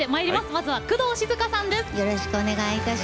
まずは工藤静香さんです。